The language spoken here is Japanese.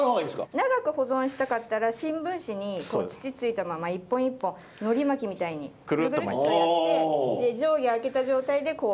長く保存したかったら新聞紙に土ついたまま一本一本のり巻きみたいにくるくるっとやって上下あけた状態でこう。